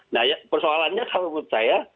nah persoalannya kalau menurut saya